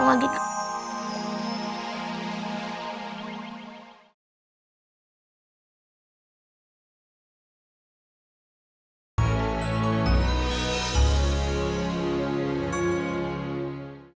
masalah nanti pops dateng lagi